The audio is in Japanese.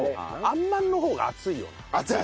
あんまんの方が熱いよね。